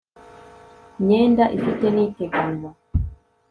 myenda ifite n iteganywa